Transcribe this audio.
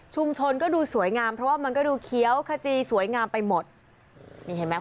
ก็ดูสวยงามเพราะว่ามันก็ดูเคี้ยวขจีสวยงามไปหมดนี่เห็นไหม